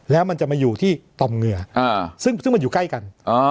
แล้วมันจะมาอยู่ที่ตอมเหงื่อซึ่งมันอยู่ใกล้กัน